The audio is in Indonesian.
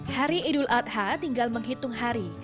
hari idul adha tinggal menghitung hari